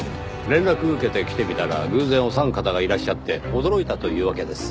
連絡受けて来てみたら偶然お三方がいらっしゃって驚いたというわけです。